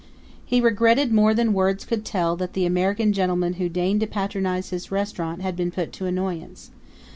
He regretted more than words could tell that the American gentlemen who deigned to patronize his restaurant had been put to annoyance.